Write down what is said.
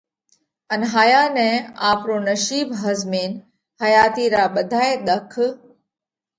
ان ھايا نئہ آپرو نشِيٻ ۿزمينَ حياتِي را ٻڌائي ۮک